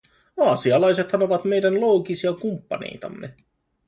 Aasialaisethan ovat meidän loogisia kumppaneitamme.